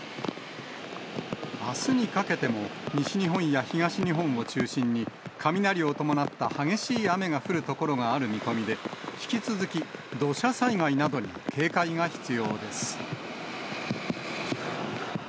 あすにかけても、西日本や東日本を中心に、雷を伴った激しい雨が降る所がある見込みで、引き続き土砂災害などに警戒が必要です。